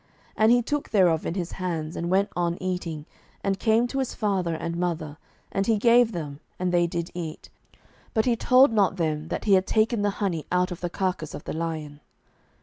07:014:009 And he took thereof in his hands, and went on eating, and came to his father and mother, and he gave them, and they did eat: but he told not them that he had taken the honey out of the carcase of the lion.